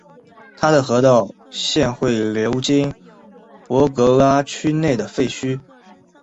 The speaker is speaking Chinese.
它的河道现会流经博格拉区内的废墟。